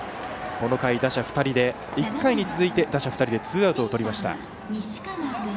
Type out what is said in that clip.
この回、１回に続いて打者２人でツーアウトをとりました。